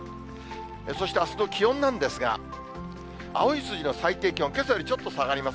そしてあすの気温なんですが、青い数字の最低気温、けさよりちょっと下がります。